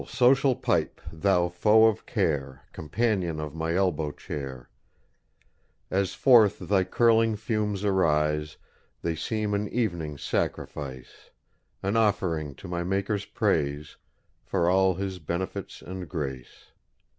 social pipe thou foe of care, Companion of my elbow chair; As forth thy curling fumes arise, They seem an evening sacrifice An offering to my Maker's praise, For all His benefits and grace.